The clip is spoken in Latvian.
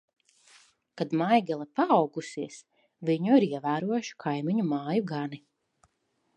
Kad Maigele paaugusies, viņu ir ievērojuši kaimiņu māju gani.